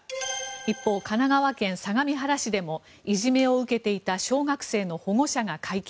一方、神奈川県相模原市でもいじめを受けていた小学生の保護者が会見。